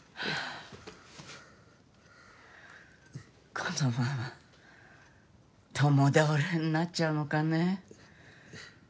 このまま共倒れになっちゃうのかね？